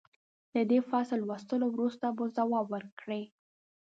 د دې فصل لوستلو وروسته به ځواب ورکړئ.